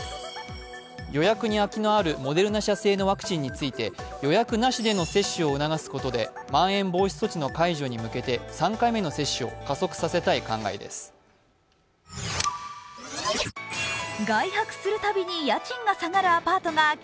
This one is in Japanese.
予約に空きのあるモデルナ社製のワクチンについて予約なしでの接種を促すことでまん延防止措置の解除に向けて３回目の接種を加速させたい考えです。